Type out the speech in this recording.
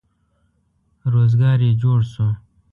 روزګار یې جوړ شو.